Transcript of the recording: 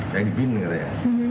saya di bin dengar ya